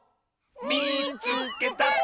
「みいつけた！」。